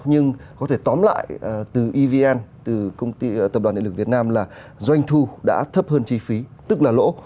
nhưng có thể tóm lại từ evn từ công ty tập đoàn nghệ lực việt nam là doanh thu đã thấp hơn chi phí tức là lỗ